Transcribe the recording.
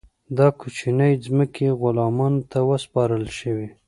دا کوچنۍ ځمکې غلامانو ته وسپارل شوې.